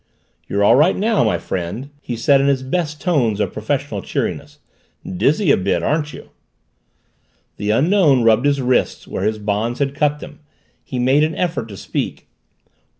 "You're all right now, my friend," he said in his best tones of professional cheeriness. "Dizzy a bit, aren't you?" The Unknown rubbed his wrists where his bonds had cut them. He made an effort to speak.